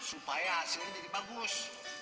supaya hasilnya jadi bagus